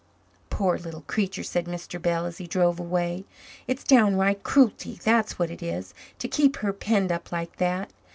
"Poor little creature," said Mr. Bell, as he drove away. "It's downright cruelty, that's what it is, to keep her penned up like that.